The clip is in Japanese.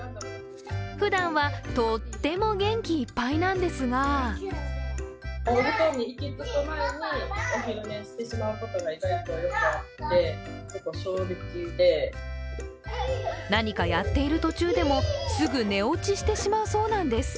ふだんはとーっても元気いっぱいなんですが何かやっている途中でもすぐ寝落ちしてしまうそうなんです。